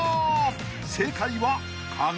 正解は「鏡」］